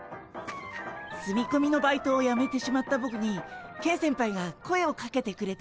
住みこみのバイトをやめてしまったボクにケン先輩が声をかけてくれて。